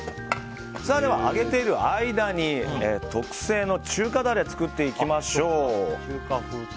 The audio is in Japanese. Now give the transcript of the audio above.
では、揚げている間に特製の中華ダレ作っていきましょう。